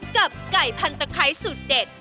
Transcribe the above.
กับไก่พันตะไคร้สูตรเด็ด